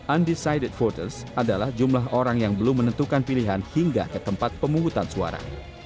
undecided voters adalah jumlah orang yang belum menentukan pilihan hingga ke tempat pemungutan suara